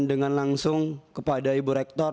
dengan langsung kepada ibu rektor